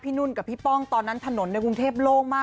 นุ่นกับพี่ป้องตอนนั้นถนนในกรุงเทพโล่งมาก